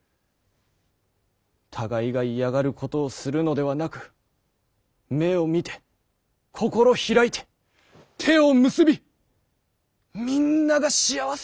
互いが嫌がることをするのではなく目を見て心開いて手を結びみんなが幸せになる世を作る。